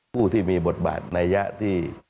ผู้ที่มีบทบาทในยะที่